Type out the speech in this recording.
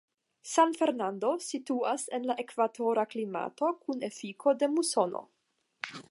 San Fernando situas en la ekvatora klimato kun efiko de musono.